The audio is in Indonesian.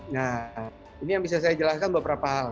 nah ini yang bisa saya jelaskan beberapa hal